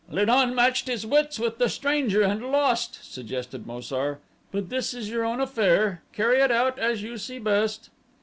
"Lu don matched his wits with the stranger and lost," suggested Mo sar. "But this is your own affair. Carry it out as you see best."